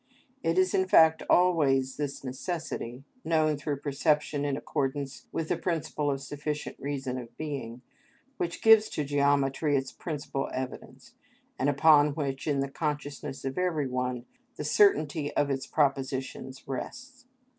It is in fact always this necessity, known through perception in accordance with the principle of sufficient reason of being, which gives to geometry its principal evidence, and upon which in the consciousness of every one, the certainty of its propositions rests.